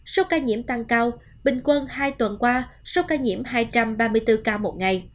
số ca nhiễm tăng cao bình quân hai tuần qua số ca nhiễm hai trăm ba mươi bốn ca một ngày